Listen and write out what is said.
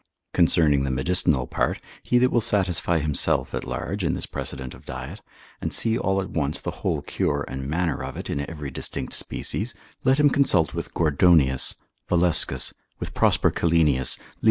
Concerning the medicinal part, he that will satisfy himself at large (in this precedent of diet) and see all at once the whole cure and manner of it in every distinct species, let him consult with Gordonius, Valescus, with Prosper Calenius, lib.